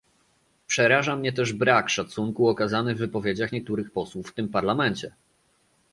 Przeraża mnie też brak szacunku okazany w wypowiedziach niektórych posłów w tym Parlamencie